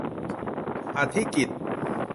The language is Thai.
อธิกิตติ์